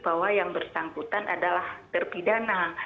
bahwa yang bersangkutan adalah terpidana